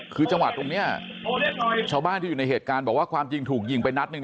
คือจังหวัดตรงนี้ชาวบ้านที่อยู่ในเหตุการณ์บอกว่าความจริงถูกยิงไปนัดหนึ่ง